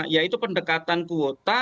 yaitu pendekatan kuota